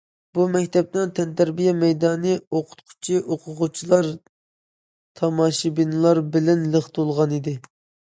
بۇ مەكتەپنىڭ تەنتەربىيە مەيدانى ئوقۇتقۇچى، ئوقۇغۇچىلار، تاماشىبىنلار بىلەن لىق تولغانىدى.